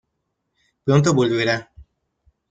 Pronto volverá.